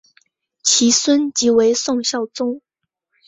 其孙即为宋孝宗。